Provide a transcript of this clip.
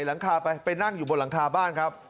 หลังคาไปไปนั่งอยู่บนหลังคาบ้านครับ